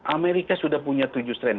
amerika sudah punya tujuh tren